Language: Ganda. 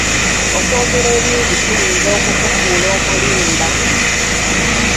Okwogera ebingi kuyinza okukufuula omulimba.